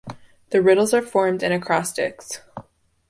The riddles are formed in acrostics.